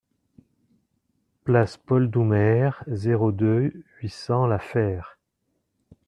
Place Paul Doumer, zéro deux, huit cents La Fère